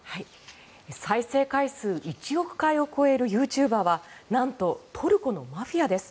再生回数１億回を超えるユーチューバーはなんと、トルコのマフィアです。